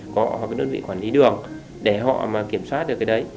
là có cái đơn vị quản lý đường để họ mà kiểm soát được cái đấy